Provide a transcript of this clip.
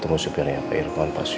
maksudnya gimana sih